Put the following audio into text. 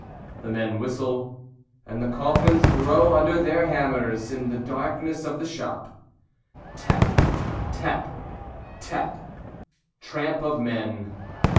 The men whistle, And the coffins grow under their hammers In the darkness of the shop. Tap! Tap! Tap! Tramp of men.